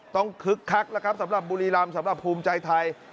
ต้องคึกคักนะครับสำหรับบูรีรัมสำหรับภูมิใจไทย